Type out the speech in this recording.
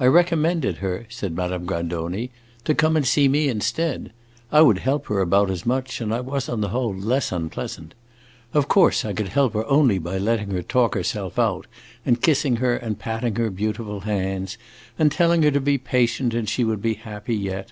"I recommended her," said Madame Grandoni, "to come and see me instead. I would help her about as much, and I was, on the whole, less unpleasant. Of course I could help her only by letting her talk herself out and kissing her and patting her beautiful hands and telling her to be patient and she would be happy yet.